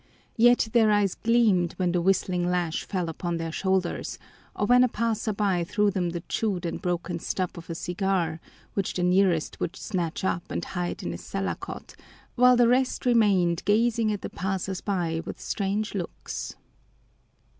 Yet their eyes gleamed when the whistling lash fell upon their shoulders or when a passer by threw them the chewed and broken stub of a cigar, which the nearest would snatch up and hide in his salakot, while the rest remained gazing at the passers by with strange looks.